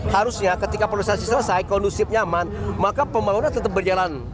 harusnya ketika prosesnya selesai kondusif nyaman maka pembangunan tetap berjalan